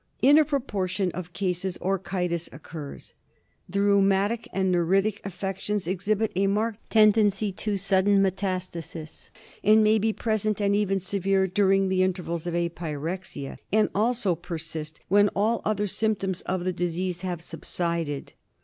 In a proportion of cases orchitis occurs. The rheumatic and neuritic affec tions exhibit a marked tendency to sudden metastasis, and may be present, and even severe, during the intervals of apyrexia, and also persist when all other symptoms of the disease have subsided.